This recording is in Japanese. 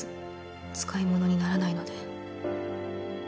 使い物にならないので。